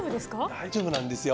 大丈夫なんですよ。